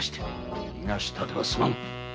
逃がしたではすまぬ！